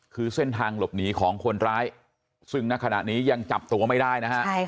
คือเส้นทางหลบหนีของคนร้ายซึ่งณขณะนี้ยังจับตัวไม่ได้นะฮะ